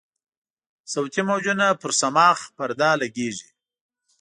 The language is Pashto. صوتي موجونه پر صماخ پرده لګیږي.